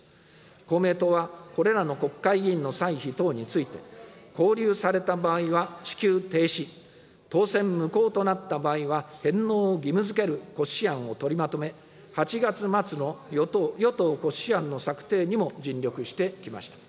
公明党はこれらの国会議員の歳費等について、勾留された場合は支給停止、当選無効となった場合は返納を義務づける骨子案を取りまとめ、８月末の与党骨子案の策定にも尽力してきました。